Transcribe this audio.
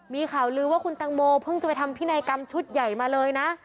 มีข่าวลือว่าคุณตังโมเพิ่งจะไปทำพินัยกรรมชุดใหญ่มาเลยนะ